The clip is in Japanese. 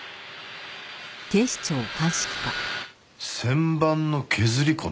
旋盤の削り粉？